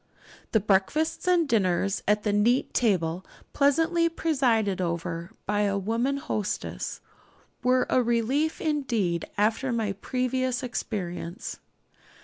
The breakfasts and dinners at the neat table, pleasantly presided over by a womanly hostess, were a relief indeed after my previous experience.